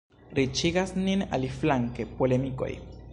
Riĉigas nin, aliflanke, polemikoj.